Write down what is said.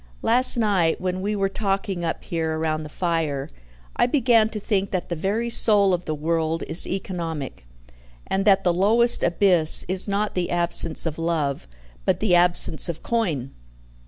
Last night, when we were talking up here round the fire, I began to think that the very soul of the world is economic, and that the lowest abyss is not the absence of love, but the absence of coin."